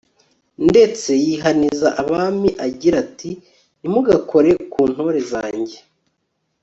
ndetse yihaniza abami, agira ati ntimugakore ku ntore zanjye